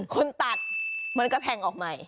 คนตัดมันก็แทงออกใหม่